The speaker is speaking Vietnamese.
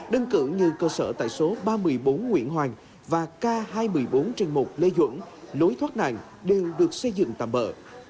đơn cử như cơ sở tại số ba mươi bốn nguyễn hoàng và k hai mươi bốn trên một lê duẩn lối thoát nạn đều được xây dựng tạm bỡ